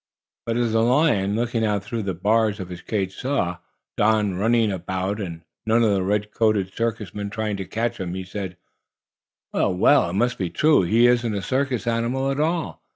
But as the lion, looking out through the bars of his cage, saw Don running about and none of the red coated circus men trying to catch him, he said: "Well, well! it must be true. He isn't a circus animal at all."